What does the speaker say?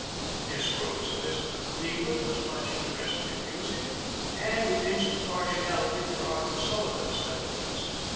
Miss Rose Elizabeth Cleveland was much interested in music, and evinced a partiality for Arthur Sullivan's melodies.